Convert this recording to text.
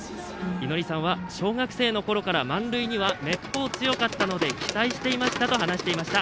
お兄さんは小学生の頃から満塁にはめっぽう強かったので期待していましたと話していました。